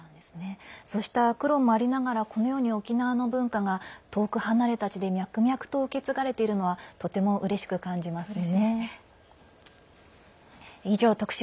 そうした苦労もありながら沖縄の文化が遠く離れた地で脈々と受け継がれているのはとてもうれしく感じますよね。